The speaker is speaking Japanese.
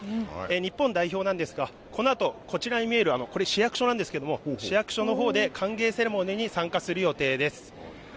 日本代表なんですが、このあと、こちらに見える、これ、市役所なんですけれども、市役所のほうで歓迎セレモニーに参加する予定です。